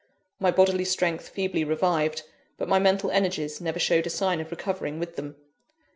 My bodily strength feebly revived; but my mental energies never showed a sign of recovering with them.